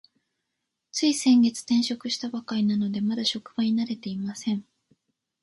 つい先月、転職をしたばかりなので、まだ職場に慣れていません。